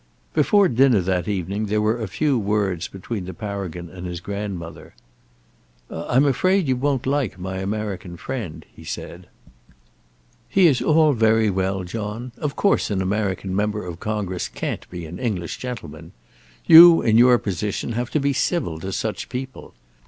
Before dinner that evening there were a few words between the Paragon and his grandmother. "I'm afraid you won't like my American friend," he said. "He is all very well, John. Of course an American member of Congress can't be an English gentleman. You, in your position, have to be civil to such people.